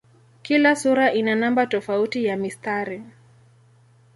Kila sura ina namba tofauti ya mistari.